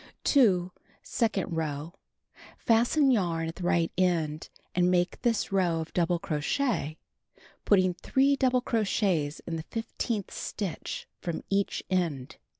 2. Second row: Fasten yarn at riglit cud and make this row of double cro chet, putting 3 double crochets ui the fifteenth stitch from each end.